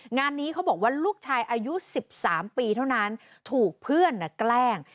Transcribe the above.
งานนี้เขาบอกว่าลูกชายอายุ๑๓ปีเท่านั้นถูกเพื่อนแกล้ง